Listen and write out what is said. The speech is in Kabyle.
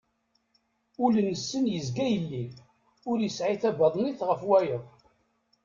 Ul-nsen yezga yelli, wa ur yesɛi tabaḍnit ɣef wayeḍ.